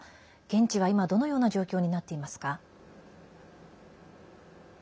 現地は今、どのような状況になっていますか？